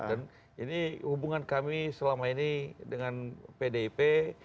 dan ini hubungan kami selama ini dengan pdip